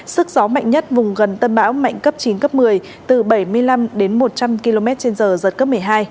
sức gió mạnh nhất vùng gần tâm bão mạnh cấp chín cấp một mươi từ bảy mươi năm đến một trăm linh km trên giờ giật cấp một mươi hai